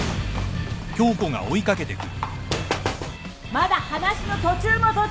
まだ話の途中も途中！